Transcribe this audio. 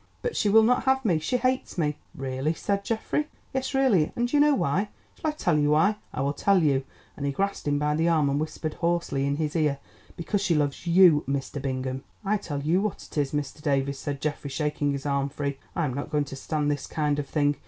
But she will not have me; she hates me." "Really," said Geoffrey. "Yes, really, and do you know why? Shall I tell you why? I will tell you," and he grasped him by the arm and whispered hoarsely in his ear: "Because she loves you, Mr. Bingham." "I tell you what it is, Mr. Davies," said Geoffrey shaking his arm free, "I am not going to stand this kind of thing.